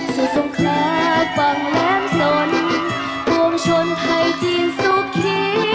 สงคราฟังแหลมสนปวงชนไทยจีนสุขี